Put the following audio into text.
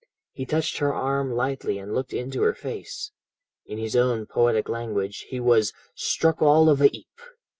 He touched her arm lightly and looked into her face. In his own poetic language, he was 'struck all of a 'eap.'